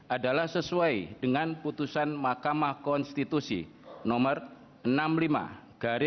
adalah sesuai dengan putusan makamah konstitusi no enam puluh lima puu delapan romawi dua ribu sepuluh